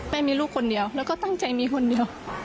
มีลูกคนเดียวแล้วก็ตั้งใจมีคนเดียว